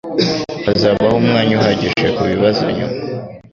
Hazabaho umwanya uhagije kubibazo nyuma.